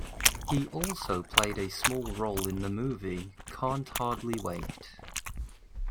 He also played a small role in the movie "Can't Hardly Wait".